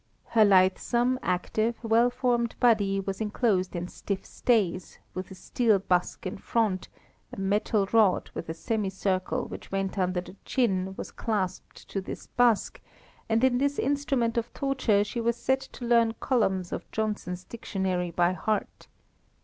Her lithesome, active, well formed body was enclosed in stiff stays, with a steel busk in front; a metal rod, with a semicircle which went under the chin, was clasped to this busk, and in this instrument of torture she was set to learn columns of Johnson's dictionary by heart.